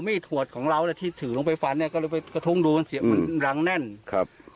มีเส้นผล่านศูนย์กลางประมาณ๑เมตร๓๐สิบเมตรนะครับ